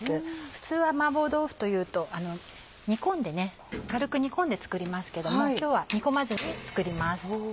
普通は麻婆豆腐というと煮込んでね軽く煮込んで作りますけども今日は煮込まずに作ります。